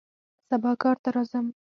سبا کار ته راځم